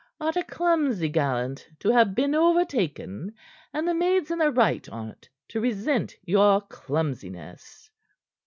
Art a clumsy gallant to have been overtaken, and the maid's in the right on't to resent your clumsiness."